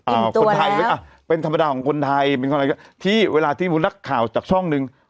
คนไทยก็อ่ะเป็นธรรมดาของคนไทยเป็นคนอะไรก็ที่เวลาที่นักข่าวจากช่องหนึ่ง